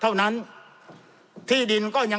จำนวนเนื้อที่ดินทั้งหมด๑๒๒๐๐๐ไร่